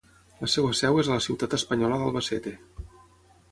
La seva seu és a la ciutat espanyola d'Albacete.